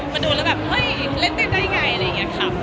มาดูแล้วแบบเฮ้ยเล่นเต้นได้ไงอะไรอย่างนี้ค่ะ